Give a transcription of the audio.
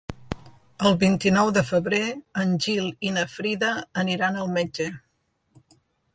El vint-i-nou de febrer en Gil i na Frida aniran al metge.